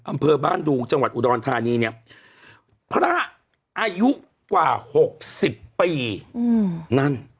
อำเภอบ้านดูงจังหวัดอุดอลธานีเนี้ยอายุกว่าหกสิบปีอืมนั่น